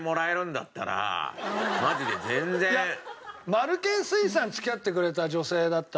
丸健水産に付き合ってくれた女性だったら俺。